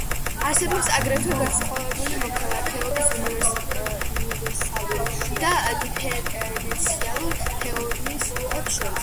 არსებობს აგრეთვე განსხვავებები მოქალაქეობის უნივერსალურ და დიფერენციალურ თეორიებს შორის.